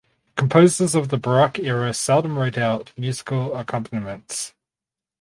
Composers of the Baroque era seldom wrote out musical accompaniments.